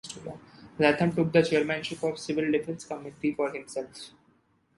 Latham took the Chairmanship of the Civil Defence Committee for himself.